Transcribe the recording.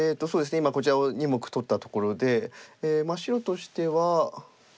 今こちらを２目取ったところで白としては。